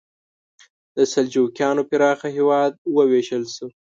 د سلجوقیانو پراخه هېواد وویشل شو.